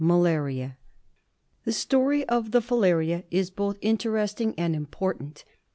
Malaria. ^. The story of the filaria is both interesting and im portant.